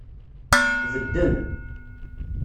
Bedden.